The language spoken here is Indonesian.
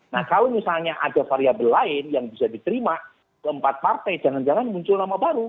nah kalau misalnya ada variabel lain yang bisa diterima keempat partai jangan jangan muncul nama baru